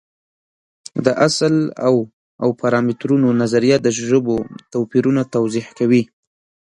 د اصل او پارامترونو نظریه د ژبو توپیرونه توضیح کوي.